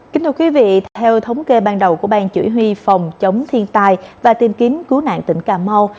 kính thưa quý vị theo thống kê ban đầu của bang chủ huy phòng chống thiên tai và tiêm kiến cứu nạn tỉnh cà mau